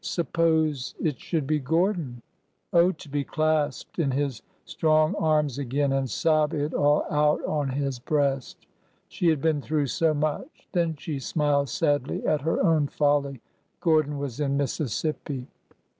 ... Suppose it should be Gordon ! Oh, to be clasped in his strong arms again and sob it all out on his breast! She had been through so much! ... Then she smiled sadly at her own folly. Gordon was in Mississippi.